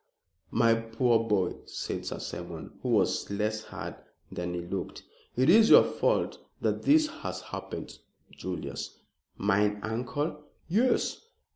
"My poor boy!" said Sir Simon, who was less hard than he looked. "It is your fault that this has happened, Julius." "Mine, uncle?" "Yes.